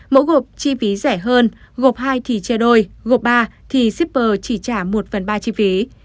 mẫu gộp chi phí rẻ hơn gộp hai thì chê đôi gộp ba thì shipper chỉ trả một phần ba chi phí